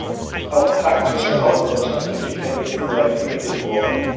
Auch praktische hauswirtschaftliche Kenntnisse seien vermittelt worden.